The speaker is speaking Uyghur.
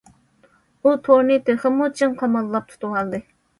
ئۇ تورنى تېخىمۇ چىڭ قاماللاپ تۇتۇۋالدى.